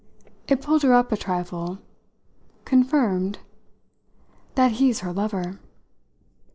It pulled her up a trifle. "'Confirmed' ?" "That he's her lover."